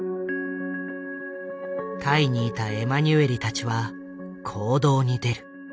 タイにいたエマニュエリたちは行動に出る。